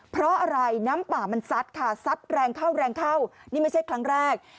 เพราะอะไรน้ำป่ามันซัดค่ะซัดแรงเข้าแรงเข้านี่ไม่ใช่ครั้งแรก